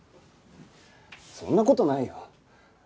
そんな事ないよ。